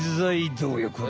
どうよこれ！